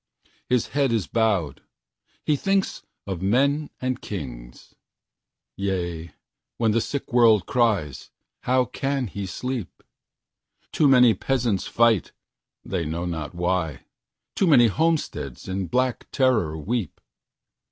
His head is bowed. He thinks of men and kings. Yea, when the sick world cries, how can he sleep? Too many peasants fight, they know not why; Too many homesteads in black terror weep.